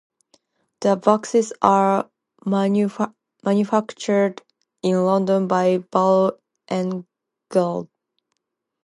The boxes are manufactured in London by Barrow and Gale.